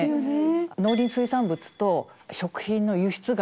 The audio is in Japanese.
農林水産物と食品の輸出額